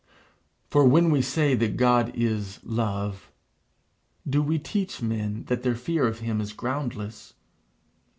For, when we say that God is Love, do we teach men that their fear of him is groundless?